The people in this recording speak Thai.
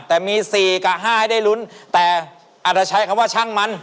แต่มี๔กับ๕ให้ได้ลุ้นแต่อาจจะใช้คำว่าช่างมัน